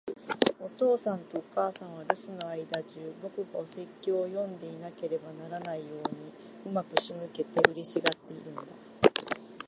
お父さんとお母さんは、留守の間じゅう、僕がお説教を読んでいなければならないように上手く仕向けて、嬉しがっているんだ。